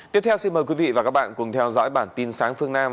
tiếp theo xin mời quý vị và các bạn cùng theo dõi bản tin sáng phương nam